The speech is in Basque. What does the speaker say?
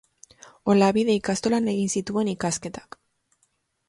Olabide ikastolan egin zituen ikasketak.